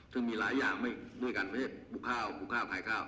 ซึ่งมีหลายอย่างด้วยกันไม่ใช่ปลูกข้าวหมูข้าวขายข้าว